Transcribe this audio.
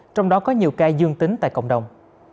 trong đó có nhiều ca dương tính tại cộng đồng